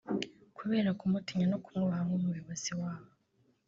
Kubera kumutinya no kumwubaha nk’umuyobozi wabo